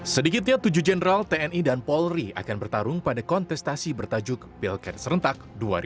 sedikitnya tujuh jenderal tni dan polri akan bertarung pada kontestasi bertajuk pilkad serentak dua ribu dua puluh